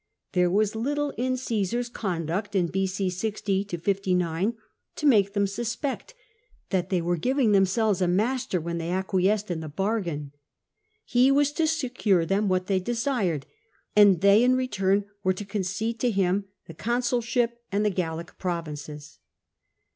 There was little in Caesar's conduct in B.c. 60 59 to make them suspect that they were giving themselves a master, when they acquiesced in the bargain. He was to secure them what they desired, and they, in return, were to concede to him the consulship and the Gallic Provinces.